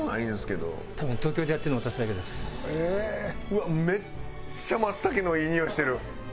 うわっめっちゃ松茸のいいにおいしてる！